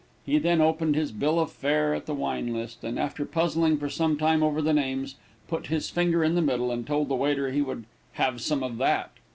He then opened his bill of fare at the wine list, and after puzzling for some time over the names, put his finger in the middle, and told the waiter he would "have some of that."